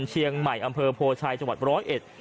เชียงใหม่อำเภอโพชัยจังหวัดร้อยเอ็ด